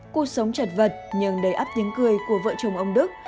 cuộc sống chật vật nhưng đầy áp tiếng cười của vợ chồng ông đức